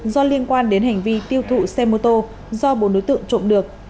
do liên quan đến hành vi tiêu thụ xe mô tô do bộ đối tượng trộm được